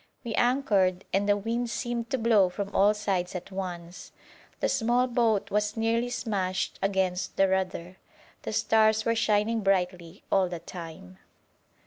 We anchored, and the wind seemed to blow from all sides at once; the small boat was nearly smashed against the rudder. The stars were shining brightly all the time.